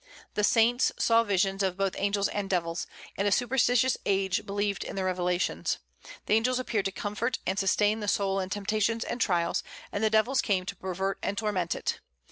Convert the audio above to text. The "saints" saw visions of both angels and devils, and a superstitious age believed in their revelations. The angels appeared to comfort and sustain the soul in temptations and trials, and the devils came to pervert and torment it.